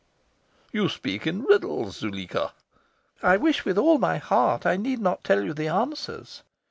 "You speak in riddles, Zuleika." "I wish with all my heart I need not tell you the answers.